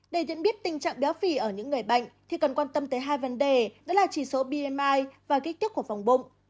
để dẫn biết tình trạng béo phì ở những người bệnh thì cần quan tâm tới hai vấn đề đó là chỉ số bmi và kích thước của vòng bụng